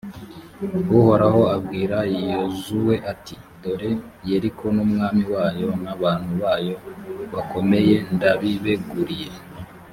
uhoraho abwira yozuwe, ati «dore yeriko n’umwami wayo n’abantu bayo bakomeye, ndabibeguriye.